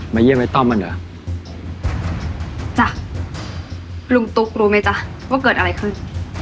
เยี่ยมไอ้ต้อมกันเหรอจ้ะลุงตุ๊กรู้ไหมจ๊ะว่าเกิดอะไรขึ้น